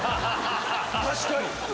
確かに！